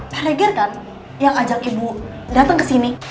pak reger kan yang ajak ibu datang ke sini